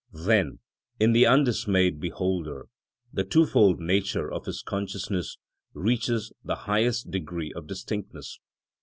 Then, in the undismayed beholder, the two fold nature of his consciousness reaches the highest degree of distinctness.